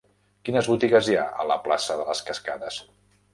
Quines botigues hi ha a la plaça de les Cascades?